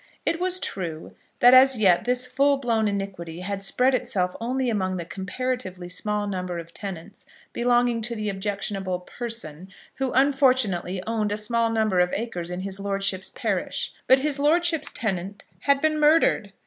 It was true that as yet this full blown iniquity had spread itself only among the comparatively small number of tenants belonging to the objectionable "person," who unfortunately owned a small number of acres in his lordship's parish; but his lordship's tenant had been murdered!